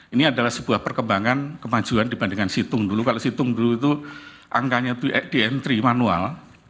ini adalah sebuah perkembangan kemajuan dibandingkan situng dulu kalau situng dulu itu angkanya di entry manual